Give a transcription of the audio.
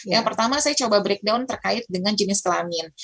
yang pertama saya coba breakdown terkait dengan jenis kelamin